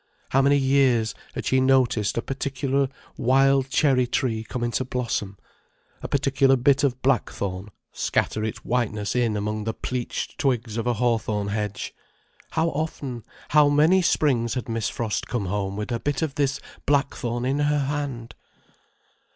How many years had she noticed a particular wild cherry tree come into blossom, a particular bit of black thorn scatter its whiteness in among the pleached twigs of a hawthorn hedge. How often, how many springs had Miss Frost come home with a bit of this black thorn in her hand!